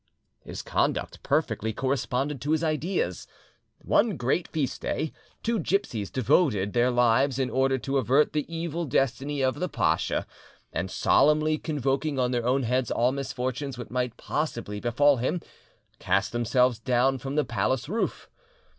His conduct perfectly corresponded to his ideas. One great feast day, two gipsies devoted their lives in order to avert the evil destiny of the pasha; and, solemnly convoking on their own heads all misfortunes which might possibly befall him, cast themselves down from the palace roof.